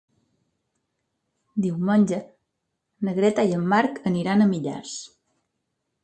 Diumenge na Greta i en Marc aniran a Millars.